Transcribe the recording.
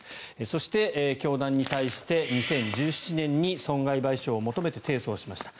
そして、教団に対して２０１７年に損害賠償を求めて提訴をしました。